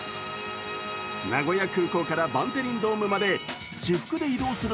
名古屋空港からバンテリンドームまで私服で移動する